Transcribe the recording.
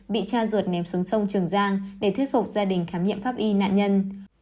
bị cha ruột ném xuống sông trường giang để thuyết phục gia đình khám nghiệm pháp y nạn nhân